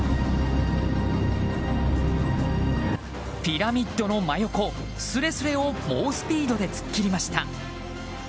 ピラミッドの真横すれすれを猛スピードで突っ切りました。